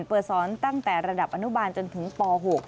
เปิดสอนตั้งแต่ระดับอนุบาลจนถึงป๖